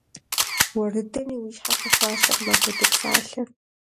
Уэр дыдэми уи щхьэм хуэфащэкъым апхуэдэ псалъэ.